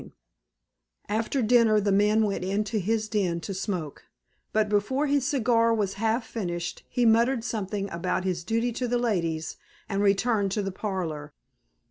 X After dinner the men went into his den to smoke, but before his cigar was half finished he muttered something about his duty to the ladies and returned to the parlor.